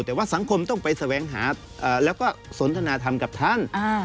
แต่ว่าสังคมต้องไปแสวงหาแล้วก็สนทนาธรรมกับท่าน